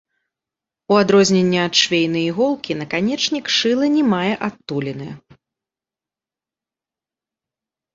У адрозненне ад швейнай іголкі, наканечнік шыла не мае адтуліны.